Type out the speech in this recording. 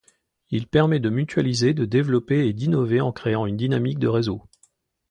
Il permet de mutualiser, de développer et d’innover en créant une dynamique de réseau.